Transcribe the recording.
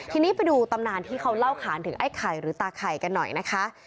ทีนี้ไปดูตำนานที่เขาเล่าขานถึงไอ้ไข่หรือตาไข่กันหน่อยนะคะ